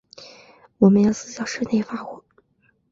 我们要四小时内交货